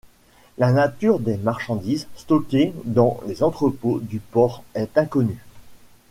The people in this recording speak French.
La nature des marchandises stockées dans les entrepôts du port est inconnue.